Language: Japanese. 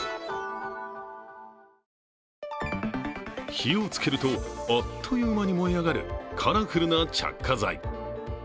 火をつけると、あっという間に燃え上がるカラフルな着火剤。